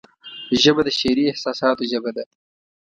ژبه د شعري احساساتو ژبه ده